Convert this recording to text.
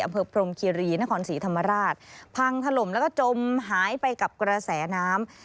พรมคีรีนครศรีธรรมราชพังถล่มแล้วก็จมหายไปกับกระแสน้ำ